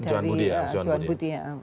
juhan budi ya